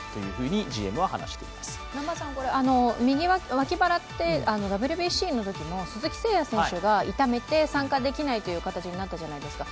脇腹って、ＷＢＣのときも鈴木誠也選手が痛めて参加できないという形になったじゃないですか。